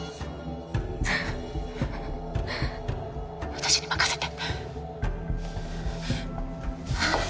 全部私に任せて